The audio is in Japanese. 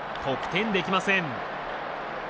得点できません。